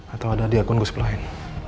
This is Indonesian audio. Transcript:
atau ada di akun gue siap lain